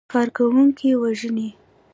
کارکوونکي وژني.